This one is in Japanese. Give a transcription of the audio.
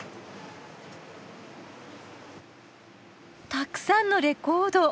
たくさんのレコード！